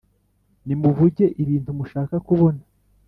nimuvuge ibintu mushaka kubona